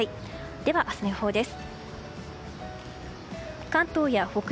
では明日の予報です。